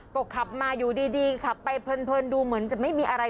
ก็ขับมาอยู่ดีขับไปเพลินดูเหมือนจะไม่มีอะไร